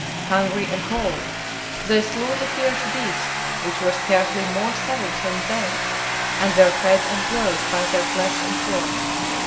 Hungry and cold, they slew the fierce beasts which were scarcely more savage than they, and were fed and clothed by their flesh and fur.